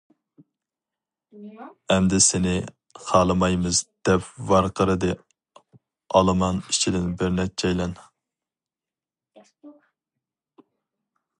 ئەمدى سېنى خالىمايمىز-دەپ ۋارقىرىدى ئالىمان ئىچىدىن بىر نەچچەيلەن.